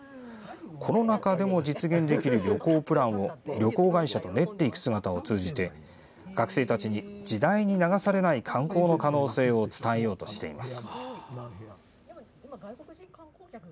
コロナ禍でも実現できる旅行プランを旅行会社と練っていく姿を通じて学生たちに時代に流されない観光の可能性を伝えようとしています。